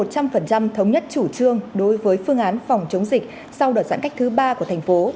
cụ thể ban thường vụ thành ủy biểu quyết một trăm linh thống nhất chủ trương đối với phương án phòng chống dịch sau đợt giãn cách thứ ba của thành phố